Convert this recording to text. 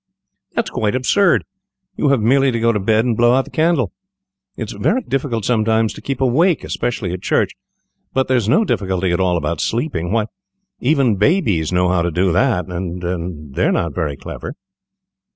"That's quite absurd! You have merely to go to bed and blow out the candle. It is very difficult sometimes to keep awake, especially at church, but there is no difficulty at all about sleeping. Why, even babies know how to do that, and they are not very clever."